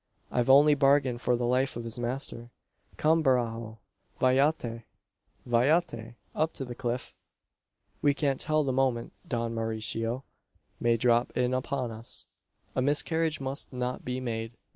I've only bargained for the life of his master. Come, Barajo! Vayate! vayate! Up to the cliff. We can't tell the moment Don Mauricio may drop in upon us. A miscarriage must not be made.